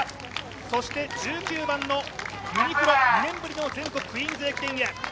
そして１９番のユニクロ、全国の「クイーンズ駅伝」へ。